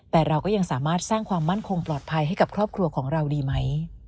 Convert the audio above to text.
แต่เราก็ยังสามารถสร้างความมั่นคงปลอดภัยให้กับครอบครัวของเราดีไหม